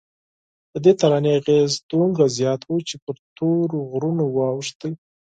ددې ترانې اغېز دومره زیات و چې پر تورو غرونو واوښته.